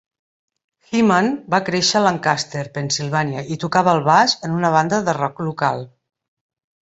Gehman va créixer a Lancaster, Pennsylvania, i tocava el baix en una banda de rock local.